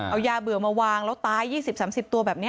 เอายาเบื่อมาวางแล้วตาย๒๐๓๐ตัวแบบนี้